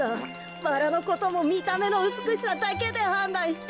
バラのこともみためのうつくしさだけではんだんして。